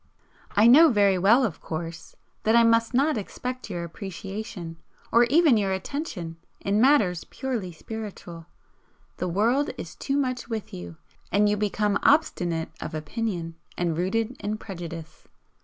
I know very well, of course, that I must not expect your appreciation, or even your attention, in matters purely spiritual. The world is too much with you, and you become obstinate of opinion and rooted in prejudice.